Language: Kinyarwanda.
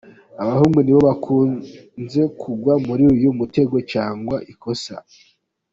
Abahungu nibo bakunze kugwa muri uyu mutego cyangwa ikosa.